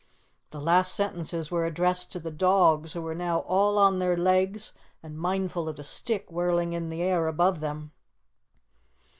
The last sentences were addressed to the dogs who were now all on their legs and mindful of the stick whirling in the air above them.